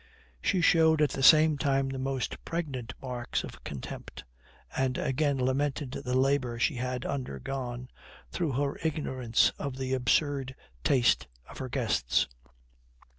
She showed at the same time the most pregnant marks of contempt, and again lamented the labor she had undergone, through her ignorance of the absurd taste of her guests.